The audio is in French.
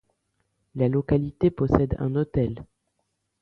La localité possède un hôtel.